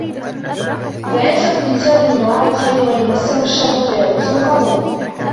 لا يسأم الإنسان من دعاء الخير وإن مسه الشر فيئوس قنوط